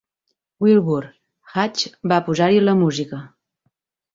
Wilbur Hatch va posar-hi la música.